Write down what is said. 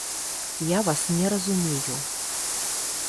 Я вас не разумею.